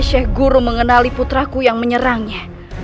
sheikh guru mengenali putraku yang menyerangnya